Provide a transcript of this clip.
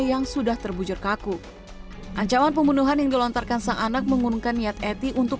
yang sudah terbujur kaku ancaman pembunuhan yang dilontarkan sang anak mengumumkan niat eti untuk